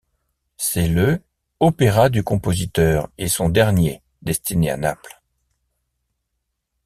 C'est le opéra du compositeur et son dernier destiné à Naples.